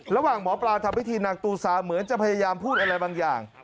ระหว่างหมอปลาทำพิธีนางตูซาเหมือนจะพยายามพูดอะไรบางอย่าง